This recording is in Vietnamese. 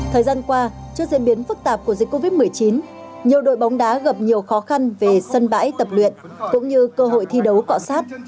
thời gian qua trước diễn biến phức tạp của dịch covid một mươi chín nhiều đội bóng đá gặp nhiều khó khăn về sân bãi tập luyện cũng như cơ hội thi đấu cọ sát